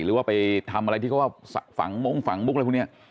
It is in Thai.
หรือว่าไปทำอะไรที่เขาฝังมุกอะไรพวกนี้